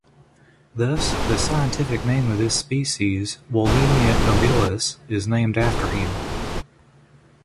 Thus, the scientific name of this species, "Wollemia nobilis", is named after him.